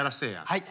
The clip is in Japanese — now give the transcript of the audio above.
はい。